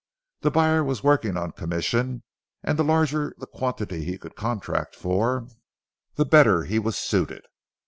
The buyer was working on commission, and the larger the quantity he could contract for, the better he was suited.